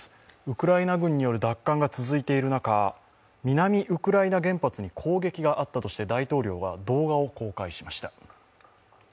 ウクライナ軍による奪還が続いている中、南ウクライナ原発に攻撃があったとして大統領が動画を公開しました。